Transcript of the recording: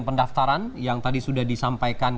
pendaftaran yang tadi sudah disampaikan